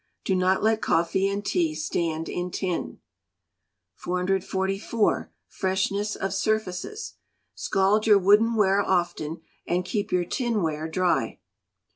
Do not let coffee and tea stand in tin. 444. Freshness of Surfaces. Scald your wooden ware often, and keep your tin ware dry.